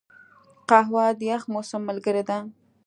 قهوه د یخ موسم ملګرې ده